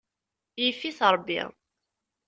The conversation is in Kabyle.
Yif-it Ṛebbi.